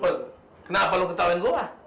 hoi kenapa lo ketawain gue mah